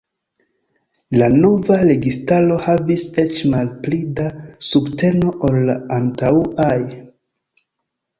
La nova registaro havis eĉ malpli da subteno ol la antaŭaj.